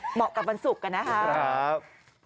เหมาะกับวันศุกร์นะครับ